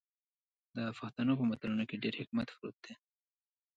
د پښتنو په متلونو کې ډیر حکمت پروت دی.